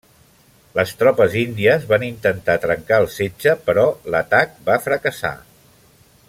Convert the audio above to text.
Les tropes índies van intentar trencar el setge, però l'atac va fracassar.